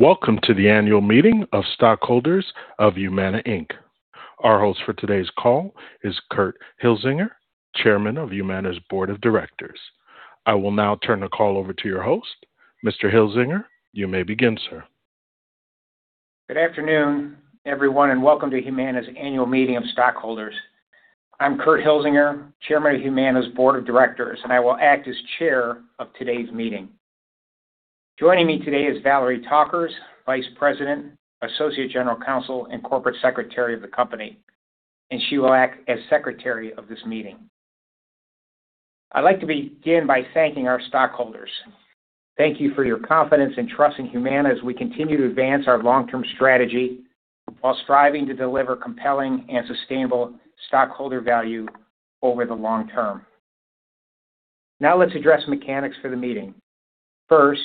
Welcome to the annual meeting of stockholders of Humana Inc. Our host for today's call is Kurt Hilzinger, Chairman of Humana's Board of Directors. I will now turn the call over to your host. Mr. Hilzinger, you may begin, sir. Good afternoon, everyone, and welcome to Humana's annual meeting of stockholders. I'm Kurt Hilzinger, Chairman of Humana's Board of Directors, and I will act as Chair of today's meeting. Joining me today is Valerie Taccona, Vice President, Associate General Counsel, and Corporate Secretary of the company, and she will act as Secretary of this meeting. I'd like to begin by thanking our stockholders. Thank you for your confidence and trust in Humana as we continue to advance our long-term strategy while striving to deliver compelling and sustainable stockholder value over the long term. Now let's address mechanics for the meeting. First,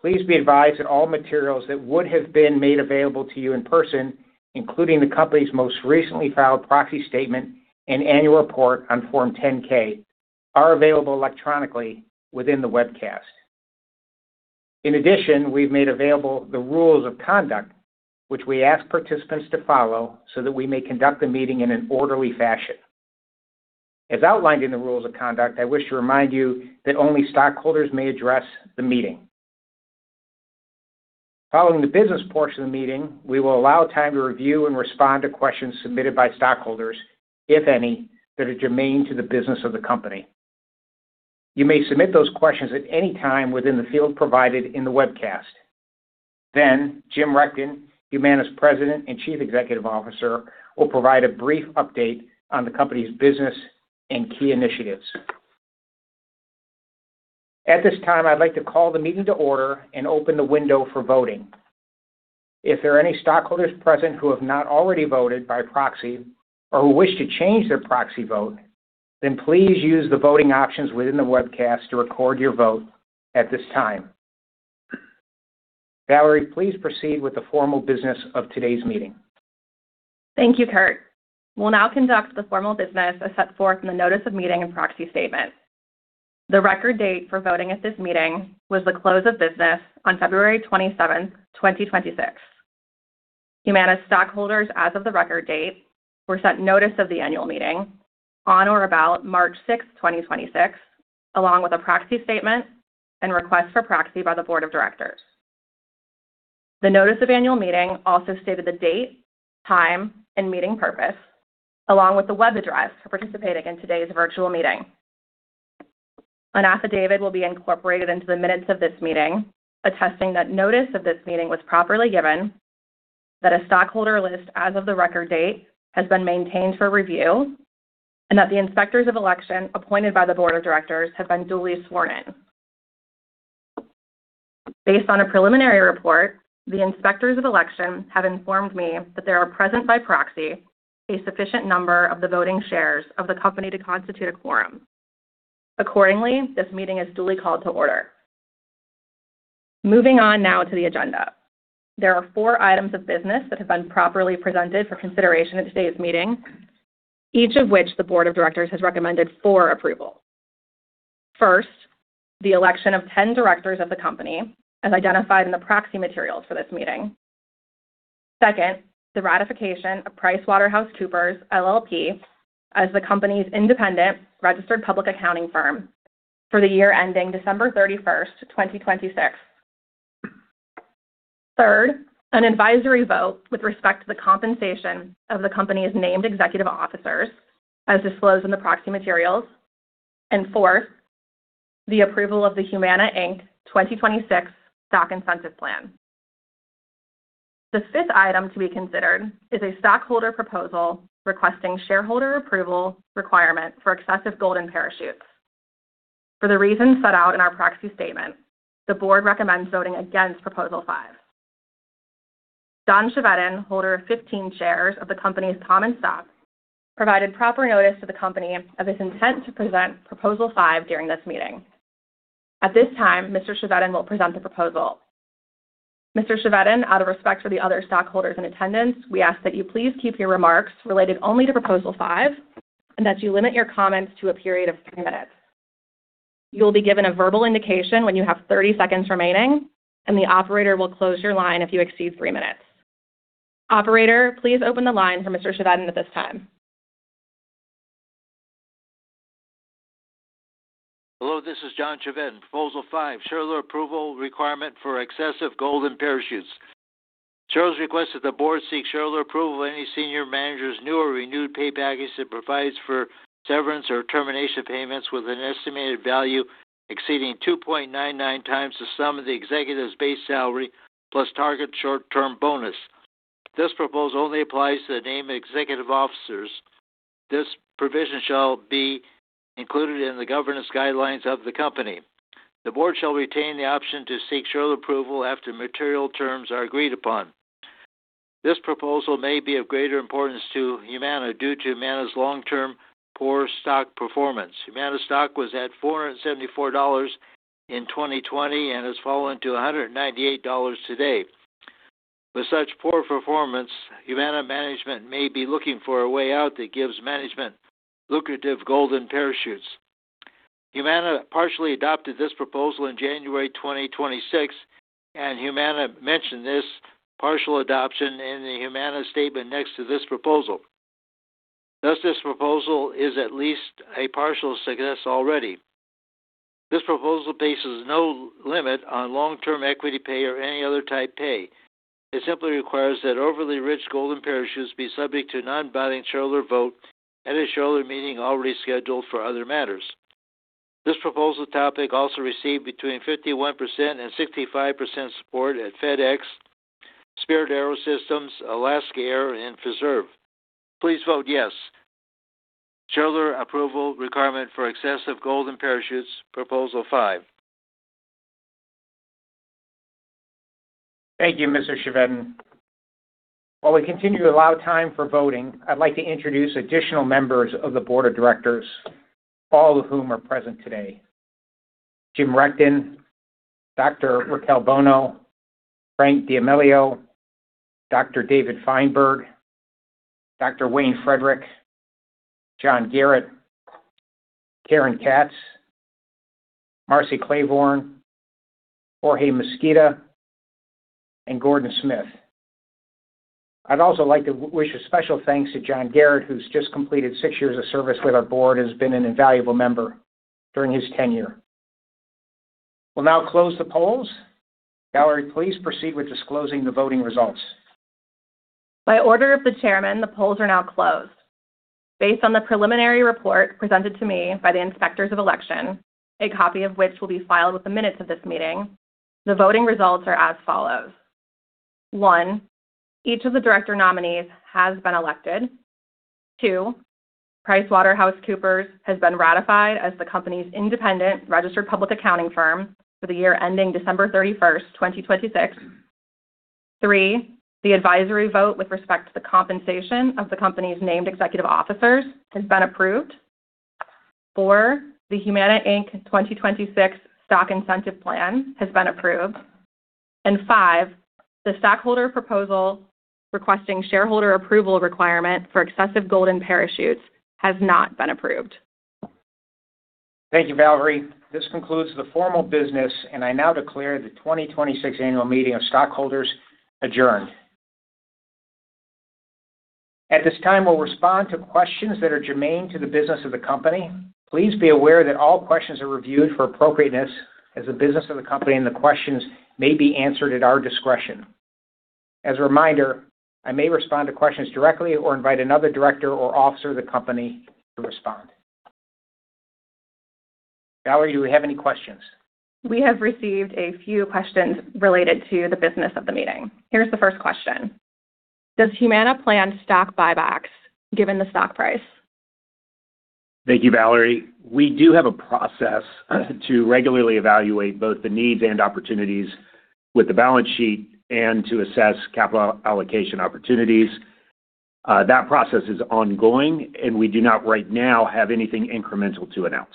please be advised that all materials that would have been made available to you in person, including the company's most recently filed proxy statement and annual report on Form 10-K, are available electronically within the webcast. In addition, we've made available the rules of conduct, which we ask participants to follow so that we may conduct the meeting in an orderly fashion. As outlined in the rules of conduct, I wish to remind you that only stockholders may address the meeting. Following the business portion of the meeting, we will allow time to review and respond to questions submitted by stockholders, if any, that are germane to the business of the company. You may submit those questions at any time within the field provided in the webcast. Jim Rechtin, Humana's President and Chief Executive Officer, will provide a brief update on the company's business and key initiatives. At this time, I'd like to call the meeting to order and open the window for voting. If there are any stockholders present who have not already voted by proxy or who wish to change their proxy vote, then please use the voting options within the webcast to record your vote at this time. Valerie, please proceed with the formal business of today's meeting. Thank you, Kurt. We'll now conduct the formal business as set forth in the notice of meeting and proxy statement. The record date for voting at this meeting was the close of business on February 27th, 2026. Humana stockholders as of the record date were sent notice of the annual meeting on or about March 6th, 2026, along with a proxy statement and request for proxy by the board of directors. The notice of annual meeting also stated the date, time, and meeting purpose, along with the web address for participating in today's virtual meeting. An affidavit will be incorporated into the minutes of this meeting, attesting that notice of this meeting was properly given, that a stockholder list as of the record date has been maintained for review, and that the inspectors of election appointed by the board of directors have been duly sworn in. Based on a preliminary report, the inspectors of election have informed me that there are present by proxy a sufficient number of the voting shares of the company to constitute a quorum. Accordingly, this meeting is duly called to order. Moving on now to the agenda. There are four items of business that have been properly presented for consideration at today's meeting, each of which the board of directors has recommended for approval. First, the election of 10 directors of the company as identified in the proxy materials for this meeting. Second, the ratification of PricewaterhouseCoopers LLP as the company's independent registered public accounting firm for the year ending December 31st, 2026. Third, an advisory vote with respect to the compensation of the company's named executive officers as disclosed in the proxy materials. Fourth, the approval of the Humana Inc. 2026 Stock Incentive Plan. The fifth item to be considered is a stockholder proposal requesting shareholder approval requirement for excessive golden parachutes. For the reasons set out in our proxy statement, the board recommends voting against proposal 5. Chevedden, holder of 15 shares of the company's common stock, provided proper notice to the company of his intent to present proposal 5 during this meeting. At this time, Mr. Chevedden will present the proposal. Mr. Chevedden, out of respect for the other stockholders in attendance, we ask that you please keep your remarks related only to proposal 5, and that you limit your comments to a period of 3 minutes. You will be given a verbal indication when you have 30 seconds remaining, and the operator will close your line if you exceed 3 minutes. Operator, please open the line for Mr. Chevedden at this time. Hello, this is Chevedden, Proposal 5, shareholder approval requirement for excessive golden parachutes. Shareholders request that the board seek shareholder approval of any senior manager's new or renewed pay package that provides for severance or termination payments with an estimated value exceeding 2.99 times the sum of the executive's base salary plus target short-term bonus. This proposal only applies to the named executive officers. This provision shall be included in the governance guidelines of the company. The board shall retain the option to seek shareholder approval after material terms are agreed upon. This proposal may be of greater importance to Humana due to Humana's long-term poor stock performance. Humana stock was at $474 in 2020 and has fallen to $198 today. With such poor performance, Humana management may be looking for a way out that gives management lucrative golden parachutes. Humana partially adopted this proposal in January 2026, and Humana mentioned this partial adoption in the Humana statement next to this proposal. Thus, this proposal is at least a partial success already. This proposal places no limit on long-term equity pay or any other type pay. It simply requires that overly rich golden parachutes be subject to non-binding shareholder vote at a shareholder meeting already scheduled for other matters. This proposal topic also received between 51% and 65% support at FedEx, Spirit AeroSystems, Alaska Air, and Fiserv. Please vote yes. Shareholder approval requirement for excessive golden parachutes, proposal five. Thank you, Mr. Chevedden. While we continue to allow time for voting, I'd like to introduce additional members of the board of directors, all of whom are present today. James Rechtin, Dr. Raquel Bono, Frank D'Amelio, Dr. David Feinberg, Dr. Wayne Frederick, John Garratt, Karen Katz, Marcy Klevorn, Jorge Mesquita, and Gordon Smith. I'd also like to wish a special thanks to John Garratt, who's just completed six years of service with our board and has been an invaluable member during his tenure. We'll now close the polls. Valerie, please proceed with disclosing the voting results. By order of the chairman, the polls are now closed. Based on the preliminary report presented to me by the Inspectors of Election, a copy of which will be filed with the minutes of this meeting, the voting results are as follows. 1, each of the director nominees has been elected. 2, PricewaterhouseCoopers has been ratified as the company's independent registered public accounting firm for the year ending December 31, 2026. 3, the advisory vote with respect to the compensation of the company's named executive officers has been approved. 4, the Humana Inc. 2026 Stock Incentive Plan has been approved. 5, the stockholder proposal requesting shareholder approval requirement for excessive golden parachutes has not been approved. Thank you, Valerie. This concludes the formal business, and I now declare the 2026 annual meeting of stockholders adjourned. At this time, we'll respond to questions that are germane to the business of the company. Please be aware that all questions are reviewed for appropriateness as the business of the company, and the questions may be answered at our discretion. As a reminder, I may respond to questions directly or invite another director or officer of the company to respond. Valerie, do we have any questions? We have received a few questions related to the business of the meeting. Here's the first question. Does Humana plan stock buybacks given the stock price? Thank you, Valerie. We do have a process to regularly evaluate both the needs and opportunities with the balance sheet and to assess capital allocation opportunities. That process is ongoing, and we do not right now have anything incremental to announce.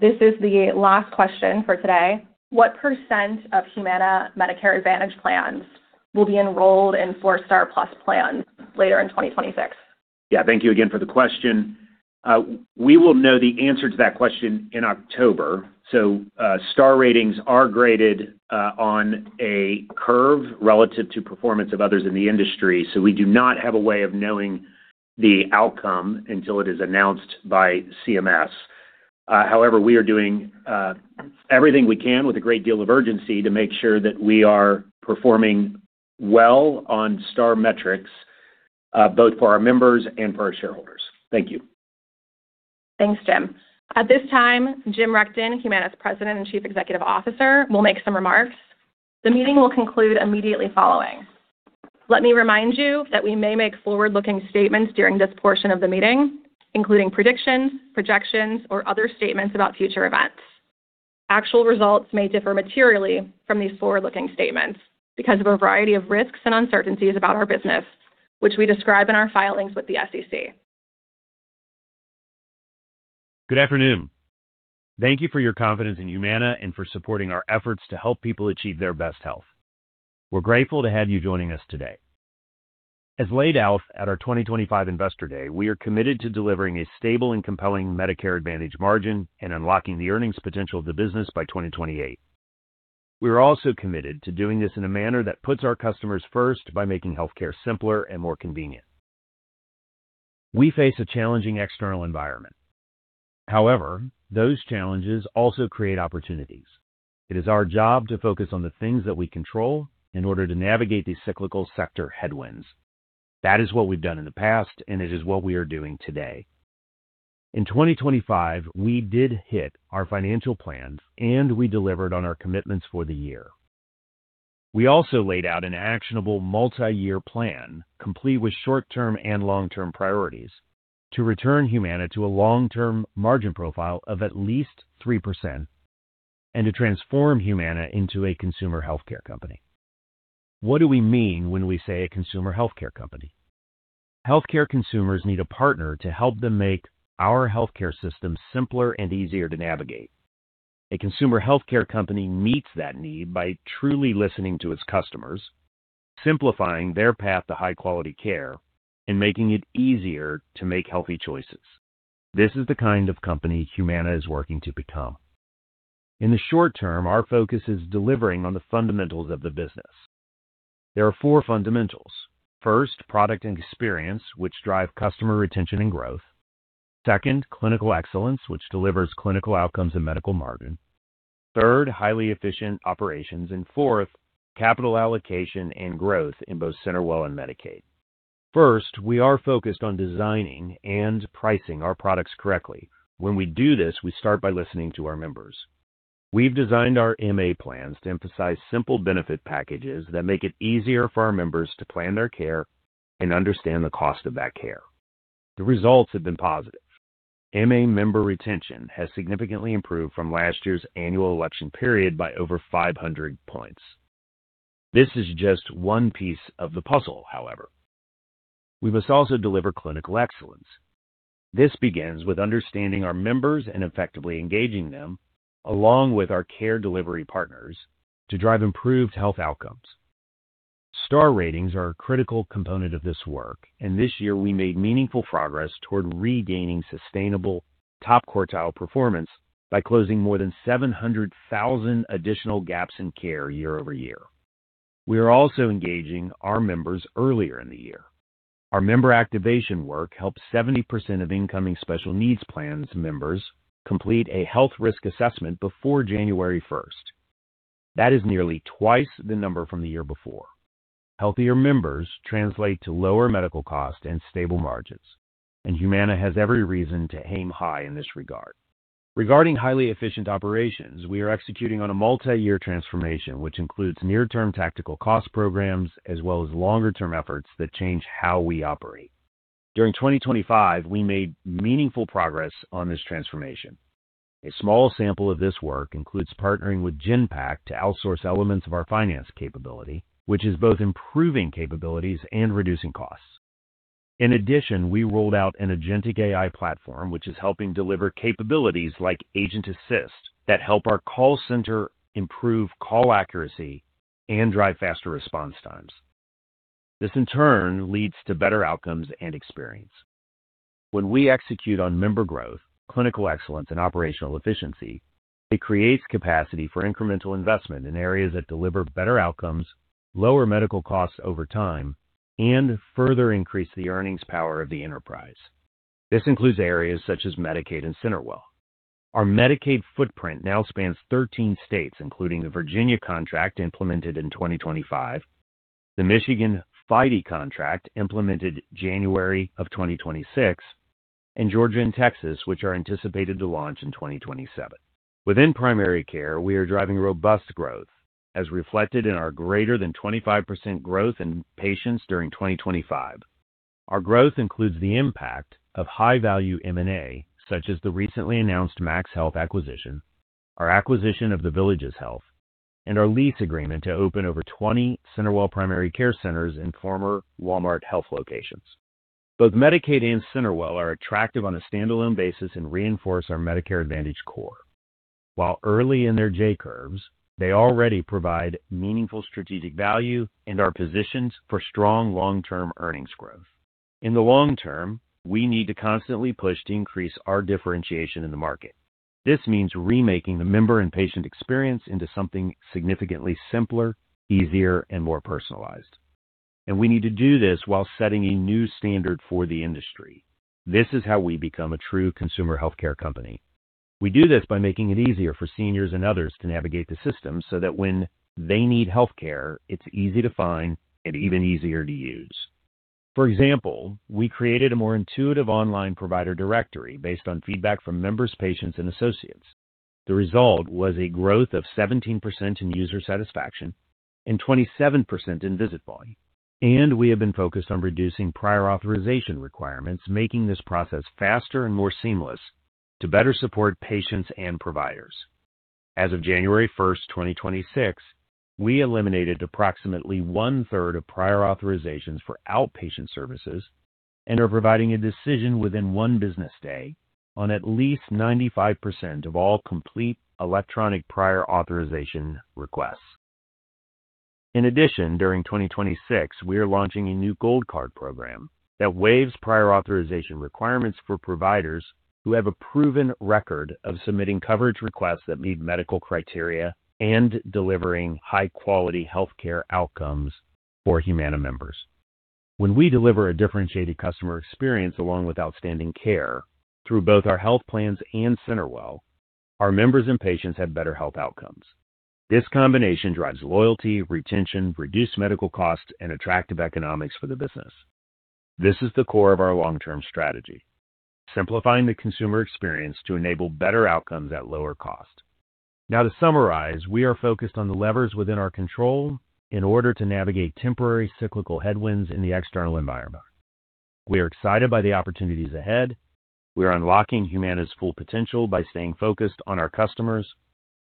This is the last question for today. What % of Humana Medicare Advantage plans will be enrolled in 4-Star plus plans later in 2026? Yeah. Thank you again for the question. We will know the answer to that question in October. Star Ratings are graded on a curve relative to performance of others in the industry. We do not have a way of knowing the outcome until it is announced by CMS. However, we are doing everything we can with a great deal of urgency to make sure that we are performing well on Star Metrics, both for our members and for our shareholders. Thank you. Thanks, Jim. At this time, Jim Rechtin, Humana's President and Chief Executive Officer, will make some remarks. The meeting will conclude immediately following. Let me remind you that we may make forward-looking statements during this portion of the meeting, including predictions, projections, or other statements about future events. Actual results may differ materially from these forward-looking statements because of a variety of risks and uncertainties about our business, which we describe in our filings with the SEC. Good afternoon. Thank you for your confidence in Humana and for supporting our efforts to help people achieve their best health. We're grateful to have you joining us today. As laid out at our 2025 Investor Day, we are committed to delivering a stable and compelling Medicare Advantage margin and unlocking the earnings potential of the business by 2028. We are also committed to doing this in a manner that puts our customers first by making healthcare simpler and more convenient. We face a challenging external environment. However, those challenges also create opportunities. It is our job to focus on the things that we control in order to navigate these cyclical sector headwinds. That is what we've done in the past, and it is what we are doing today. In 2025, we did hit our financial plans, and we delivered on our commitments for the year. We also laid out an actionable multi-year plan, complete with short-term and long-term priorities, to return Humana to a long-term margin profile of at least 3% and to transform Humana into a consumer healthcare company. What do we mean when we say a consumer healthcare company? Healthcare consumers need a partner to help them make our healthcare system simpler and easier to navigate. A consumer healthcare company meets that need by truly listening to its customers, simplifying their path to high-quality care, and making it easier to make healthy choices. This is the kind of company Humana is working to become. In the short term, our focus is delivering on the fundamentals of the business. There are four fundamentals. First, product and experience, which drive customer retention and growth. Second, clinical excellence, which delivers clinical outcomes and medical margin. Third, highly efficient operations, and fourth, capital allocation and growth in both CenterWell and Medicaid. First, we are focused on designing and pricing our products correctly. When we do this, we start by listening to our members. We've designed our MA plans to emphasize simple benefit packages that make it easier for our members to plan their care and understand the cost of that care. The results have been positive. MA member retention has significantly improved from last year's annual election period by over 500 points. This is just one piece of the puzzle, however. We must also deliver clinical excellence. This begins with understanding our members and effectively engaging them along with our care delivery partners to drive improved health outcomes. Star Ratings are a critical component of this work, and this year we made meaningful progress toward regaining sustainable top-quartile performance by closing more than 700,000 additional gaps in care year-over-year. We are also engaging our members earlier in the year. Our member activation work helped 70% of incoming Special Needs Plans members complete a health risk assessment before January 1. That is nearly twice the number from the year before. Healthier members translate to lower medical cost and stable margins, and Humana has every reason to aim high in this regard. Regarding highly efficient operations, we are executing on a multi-year transformation, which includes near-term tactical cost programs as well as longer-term efforts that change how we operate. During 2025, we made meaningful progress on this transformation. A small sample of this work includes partnering with Genpact to outsource elements of our finance capability, which is both improving capabilities and reducing costs. In addition, we rolled out an agentic AI platform, which is helping deliver capabilities like Agent Assist that help our call center improve call accuracy and drive faster response times. This, in turn, leads to better outcomes and experience. When we execute on member growth, clinical excellence, and operational efficiency, it creates capacity for incremental investment in areas that deliver better outcomes, lower medical costs over time, and further increase the earnings power of the enterprise. This includes areas such as Medicaid and CenterWell. Our Medicaid footprint now spans 13 states, including the Virginia contract implemented in 2025, the Michigan FIDE contract implemented January 2026, and Georgia and Texas, which are anticipated to launch in 2027. Within primary care, we are driving robust growth, as reflected in our greater than 25% growth in patients during 2025. Our growth includes the impact of high-value M&A, such as the recently announced MaxHealth acquisition, our acquisition of The Villages Health, and our lease agreement to open over 20 CenterWell primary care centers in former Walmart Health locations. Both Medicaid and CenterWell are attractive on a standalone basis and reinforce our Medicare Advantage core. While early in their J-curves, they already provide meaningful strategic value and are positioned for strong long-term earnings growth. In the long term, we need to constantly push to increase our differentiation in the market. This means remaking the member and patient experience into something significantly simpler, easier, and more personalized. We need to do this while setting a new standard for the industry. This is how we become a true consumer healthcare company. We do this by making it easier for seniors and others to navigate the system so that when they need healthcare, it's easy to find and even easier to use. For example, we created a more intuitive online provider directory based on feedback from members, patients, and associates. The result was a growth of 17% in user satisfaction and 27% in visit volume. We have been focused on reducing prior authorization requirements, making this process faster and more seamless to better support patients and providers. As of January 1, 2026, we eliminated approximately one-third of prior authorizations for outpatient services and are providing a decision within one business day on at least 95% of all complete electronic prior authorization requests. In addition, during 2026, we are launching a new gold card program that waives prior authorization requirements for providers who have a proven record of submitting coverage requests that meet medical criteria and delivering high-quality healthcare outcomes for Humana members. When we deliver a differentiated customer experience along with outstanding care through both our health plans and CenterWell, our members and patients have better health outcomes. This combination drives loyalty, retention, reduced medical costs, and attractive economics for the business. This is the core of our long-term strategy, simplifying the consumer experience to enable better outcomes at lower cost. Now to summarize, we are focused on the levers within our control in order to navigate temporary cyclical headwinds in the external environment. We are excited by the opportunities ahead. We are unlocking Humana's full potential by staying focused on our customers,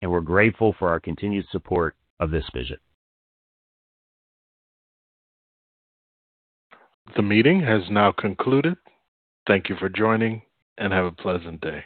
and we're grateful for our continued support of this vision. The meeting has now concluded. Thank you for joining, and have a pleasant day.